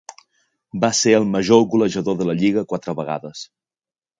Va ser el major golejador de la lliga quatre vegades.